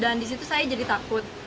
dan disitu saya jadi takut